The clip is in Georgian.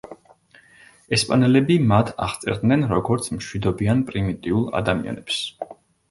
ესპანელები მათ აღწერდნენ როგორც მშვიდობიან პრიმიტიულ ადამიანებს.